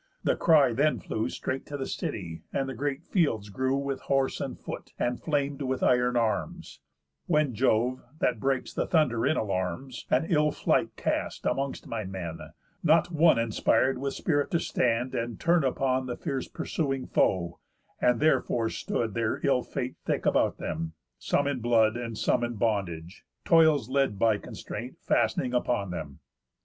The cry then flew Straight to the city; and the great fields grew With horse and foot, and flam'd with iron arms; When Jove (that breaks the thunder in alarms) An ill flight cast amongst my men; not one Inspir'd with spirit to stand, and turn upon The fierce pursuing foe; and therefore stood Their ill fate thick about them; some in blood, And some in bondage; toils led by constraint Fast'ning upon them.